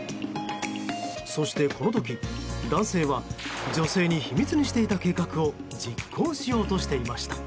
そしてこの時、男性は女性に秘密にしていた計画を実行しようとしていました。